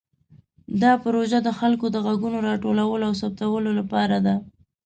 دا پروژه د خلکو د غږونو راټولولو او ثبتولو لپاره ده.